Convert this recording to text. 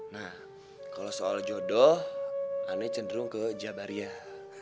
nah kalau soal jodoh aneh cenderung ke jabariah